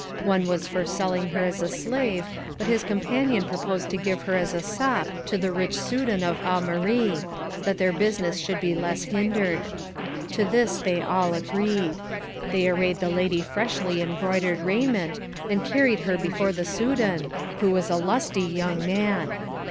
One was for selling her as a slave, but his companion proposed to give her as a sop to the rich Soudan of Aumarie, that their business should be the less hindered. To this they all agreed. They arrayed the lady freshly in broidered raiment, and carried her before the Soudan, who was a lusty young man.